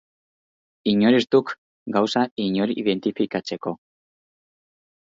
Inor ez duk gauza inor identifikatzeko.